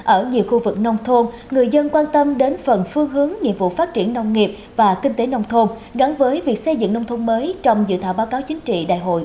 ở nhiều khu vực nông thôn người dân quan tâm đến phần phương hướng nhiệm vụ phát triển nông nghiệp và kinh tế nông thôn gắn với việc xây dựng nông thôn mới trong dự thảo báo cáo chính trị đại hội